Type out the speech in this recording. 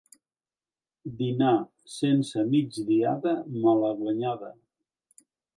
Dinar sense migdiada, malaguanyada.